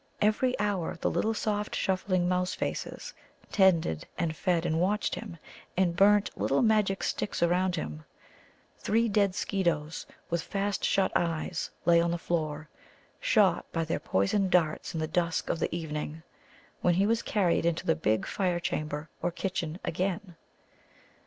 Every hour the little soft shuffling Mouse faces tended and fed and watched him, and burnt little magic sticks around him. Three dead Skeetoes, with fast shut eyes, lay on the floor, shot by their poisoned darts in the dusk of the evening, when he was carried into the big fire chamber, or kitchen, again.